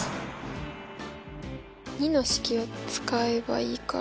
②の式を使えばいいから。